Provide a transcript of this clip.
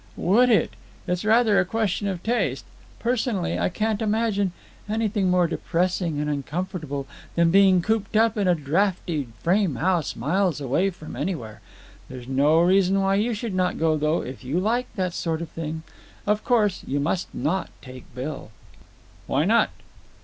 "Would it? It's rather a question of taste. Personally, I can't imagine anything more depressing and uncomfortable than being cooped up in a draughty frame house miles away from anywhere. There's no reason why you should not go, though, if you like that sort of thing. Of course, you must not take Bill." "Why not?"